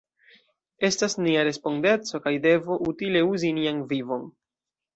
Estas nia respondeco kaj devo utile uzi nian vivon.